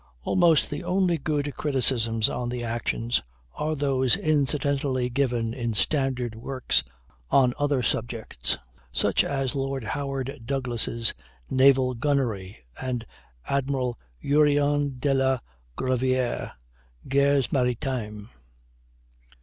Almost the only good criticisms on the actions are those incidentally given in standard works on other subjects, such as Lord Howard Douglass' "Naval Gunnery," and Admiral Jurien de la Gravière's "Guerres Maritimes."